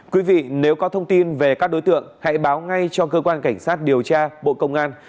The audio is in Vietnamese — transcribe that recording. xin chào các bạn